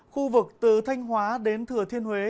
khu vực từ thanh hóa đến thừa thiên huế